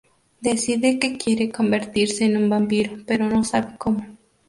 Decide que quiere convertirse en un vampiro, pero no sabe cómo.